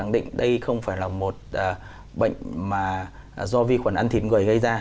do vi khuẩn ăn thịt người gây ra